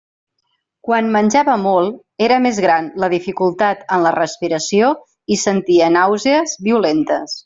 Quan menjava molt, era més gran la dificultat en la respiració i sentia nàusees violentes.